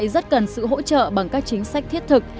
rất cần sự hỗ trợ bằng các chính sách thiết thực